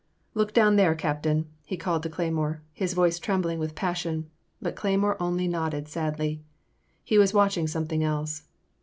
I/)ok down there. Captain," he called to Cleymore, his voice trembling with passion, but Cleymore only nodded sadly. He was watching something else.